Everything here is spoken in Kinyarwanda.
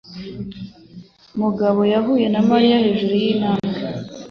Mugabo yahuye na Mariya hejuru yintambwe.